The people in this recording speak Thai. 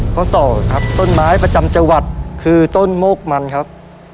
ข้อสองครับต้นไม้ประจำจังหวัดคือต้นโมกมันครับ